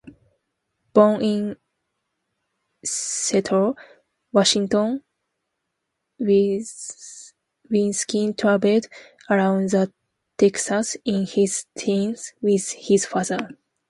Born in Seattle, Washington, Wisniski traveled around Texas in his teens with his father.